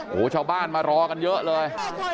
โอ้โหชาวบ้านมารอกันเยอะเลย